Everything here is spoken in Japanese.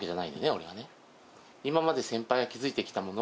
俺はね。